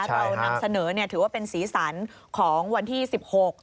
เรานำเสนอถือว่าเป็นศีรษรของวันที่สิบหก